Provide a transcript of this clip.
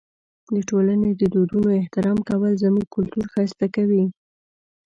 د ټولنې د دودونو احترام کول زموږ کلتور ښایسته کوي.